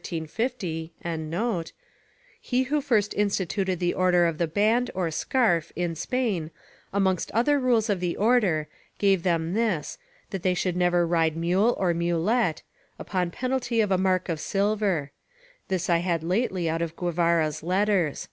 ] he who first instituted the Order of the Band or Scarf in Spain, amongst other rules of the order, gave them this, that they should never ride mule or mulet, upon penalty of a mark of silver; this I had lately out of Guevara's Letters.